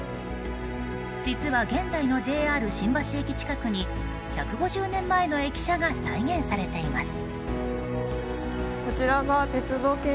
実は現在のＪＲ新橋駅近くに１５０年前の駅舎が再現されています。